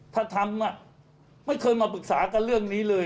ถ้าทำไม่เคยมาปรึกษากันเรื่องนี้เลย